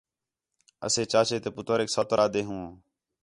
اسے چاچے تے پُتریک سوتر آہدے ہوں